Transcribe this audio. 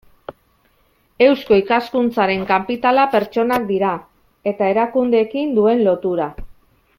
Eusko Ikaskuntzaren kapitala pertsonak dira eta erakundeekin duen lotura.